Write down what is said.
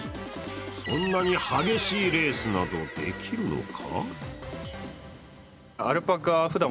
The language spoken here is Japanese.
そんなに激しいレースなどできるのか？